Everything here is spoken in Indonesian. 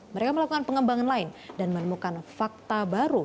mereka melakukan pengembangan lain dan menemukan fakta baru